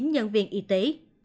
chín nhân viên y tế